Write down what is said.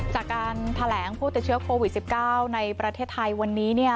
จากการแถลงผู้ติดเชื้อโควิด๑๙ในประเทศไทยวันนี้